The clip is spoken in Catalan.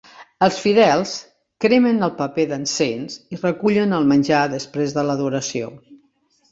Els fidels cremen el paper d'encens i recullen el menjar després de l'adoració.